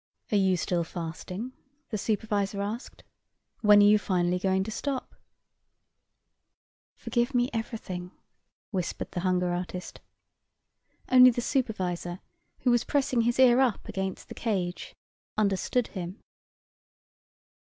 "Are you still fasting?" the supervisor asked. "When are you finally going to stop?" "Forgive me everything," whispered the hunger artist. Only the supervisor, who was pressing his ear up against the cage, understood him.